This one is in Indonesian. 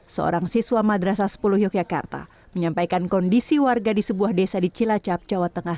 seorang siswa madrasah sepuluh yogyakarta menyampaikan kondisi warga di sebuah desa di cilacap jawa tengah